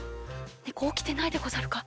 ねこおきてないでござるか？